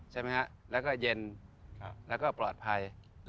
ใช่ไหมฮะแล้วก็เย็นแล้วก็ปลอดภัย